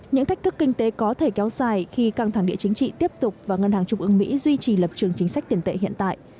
những thách thức kinh tế có thể kéo dài khi căng thẳng địa chính trị tiếp tục và ngân hàng trung ương mỹ duy trì lập trường chính sách tiền tệ hiện tại